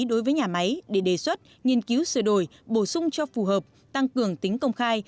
đối với nhà máy để đề xuất nghiên cứu sửa đổi bổ sung cho phù hợp tăng cường tính công khai